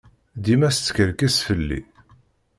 Dima teskerkis fell-i.